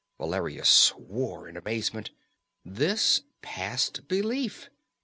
Valeria swore in amazement. This passed belief.